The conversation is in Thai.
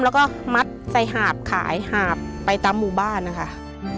แล้วก็มัดใส่หาบขายหาบไปตามหมู่บ้านนะคะ